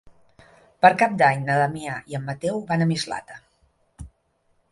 Per Cap d'Any na Damià i en Mateu van a Mislata.